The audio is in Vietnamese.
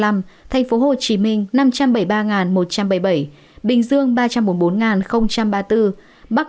bình dương năm trăm bảy mươi ba một trăm bảy mươi bảy bình dương ba trăm bốn mươi bốn ba mươi bốn bắc ninh hai trăm ba mươi sáu sáu trăm hai mươi nghệ an hai trăm ba mươi bảy ba trăm một mươi ba